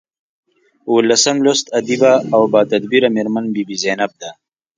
اوولسم لوست ادیبه او باتدبیره میرمن بي بي زینب ده.